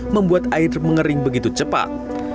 membuat air mengering begitu cepat